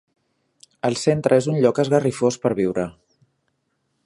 El centre és un lloc esgarrifós per viure.